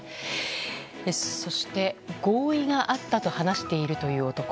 そして合意があったと話している男。